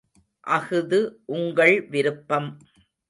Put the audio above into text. அஃது உங்கள் விருப்பம்!